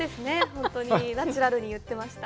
本当にナチュラルに言ってました。